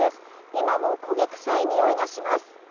今も焦げ臭いにおいがします。